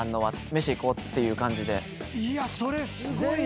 いやそれすごいね！